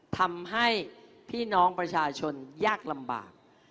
ทำให้พี่น้องประชาชนยากลำบาก